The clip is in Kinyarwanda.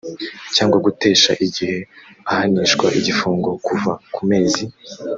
cyangwa gutesha igihe ahanishwa igifungo kuva ku mezi